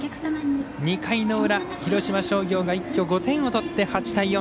２回の裏広島商業が一挙５点を取って８対４。